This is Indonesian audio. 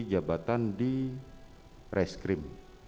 jabatan di reskrim